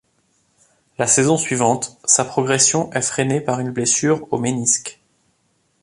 La saison suivante, sa progression est freinée par une blessure au ménisque.